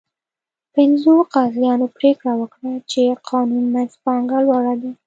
پنځو قاضیانو پرېکړه وکړه چې قانون منځپانګه لوړه ده.